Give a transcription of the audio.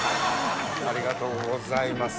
ありがとうございます。